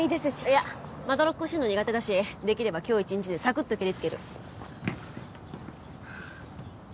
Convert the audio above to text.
いやまどろっこしいの苦手だしできれば今日一日でサクッとケリつける。